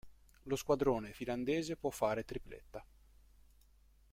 Lo squadrone finlandese può fare tripletta.